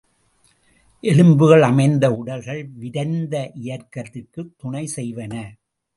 எலும்புகள் அமைந்த உடல்கள் விரைந்த இயக்கத்திற்குத் துணை செய்வன.